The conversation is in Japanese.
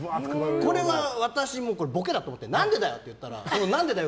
これは私もボケだと思って何でだよ！って言ったらその何でだよ！